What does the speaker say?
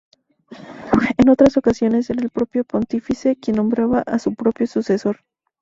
En otras ocasiones era el propio Pontífice quien nombraba a su propio sucesor.